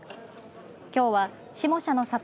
きょうは下社の里